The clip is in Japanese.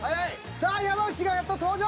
さあ山内がやっと登場。